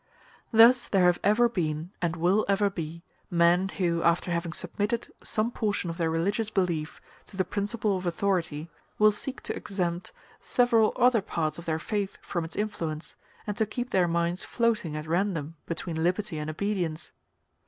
Thus there have ever been, and will ever be, men who, after having submitted some portion of their religious belief to the principle of authority, will seek to exempt several other parts of their faith from its influence, and to keep their minds floating at random between liberty and obedience.